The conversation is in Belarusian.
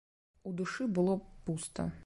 У душы было пуста.